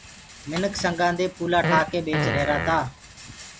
منک سنگآ دي ڦولآ ٺآڪي ٻيچدآ رهيرآ تآ۔